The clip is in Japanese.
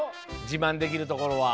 じまんできるところは？